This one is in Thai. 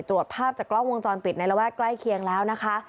ตรวจภาพจากกล้องวงจรปิดในระแวกใกล้เคียงแล้วนะคะ